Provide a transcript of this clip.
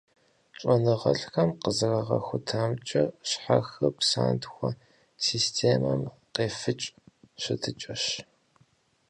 ЩӀэныгъэлӀхэм къызэрахутамкӀэ, щхьэхыр псантхуэ системэм къефыкӀ щытыкӀэщ.